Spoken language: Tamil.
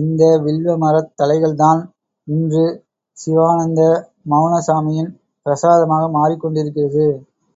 இந்த வில்வமரத் தழைகள்தான் இன்று சிவானந்த மௌன சாமியின் பிரசாதமாக மாறிக் கொண்டிருக்கிறது.